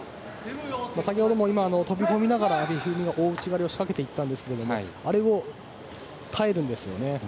飛び込みながら阿部一二三が大内刈りを仕掛けていったんですがあれを耐えるんですね。